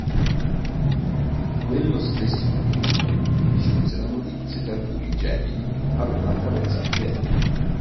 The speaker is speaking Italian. In quello stesso momento gli giunse notizia che alcuni Gepidi avevano attraversato le Alpi.